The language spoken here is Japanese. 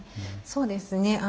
そうですね。